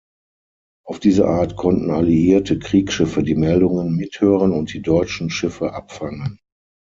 Auf diese Art konnten alliierte Kriegsschiffe die Meldungen mithören und die deutschen Schiffe abfangen.